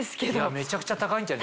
めちゃくちゃ高いんじゃん？